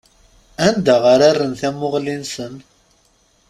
Anda ara rren tamuɣli-nsen.